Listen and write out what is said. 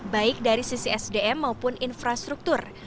baik dari sisi sdm maupun infrastruktur